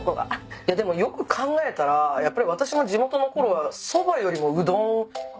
いやでもよく考えたらやっぱり私も地元のころはそばよりもうどんでしたね。